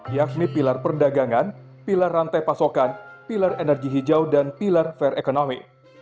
yakni pilar perdagangan pilar rantai pasokan pilar energi hijau dan pilar fair economy